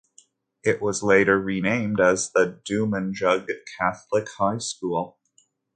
It was later renamed as the Dumanjug Catholic High School.